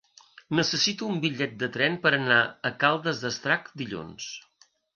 Necessito un bitllet de tren per anar a Caldes d'Estrac dilluns.